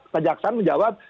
pak jaksan menjawab